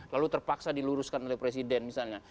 lalu terpaksa diluruskan oleh presiden misalnya